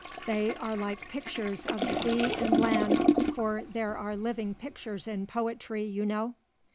They are like pictures of sea and land, for there are living pictures in poetry, you know."